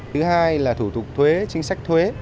thứ hai là thủ tục thuế chính sách thuế